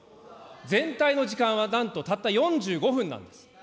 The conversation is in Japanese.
全体の時間はなんとたった４５分なんです。